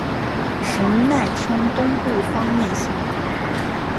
神奈川东部方面线。